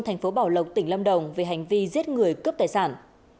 thành phố bảo lộc tỉnh lâm đồng về hành vi giết người cướp tài sản